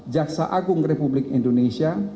jaksa agung republik indonesia